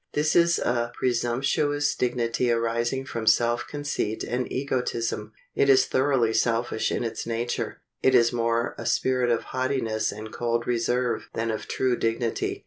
This is a presumptuous dignity arising from self conceit and egotism. It is thoroughly selfish in its nature. It is more a spirit of haughtiness and cold reserve than of true dignity.